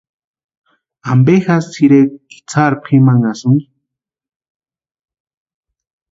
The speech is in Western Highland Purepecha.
¿Ampe jásï tʼirekwa itsarhu pʼimanhasïnki?